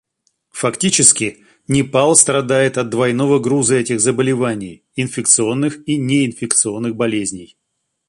Фактически, Непал страдает от двойного груза этих заболеваний — инфекционных и неинфекционных болезней.